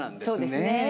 そうですね。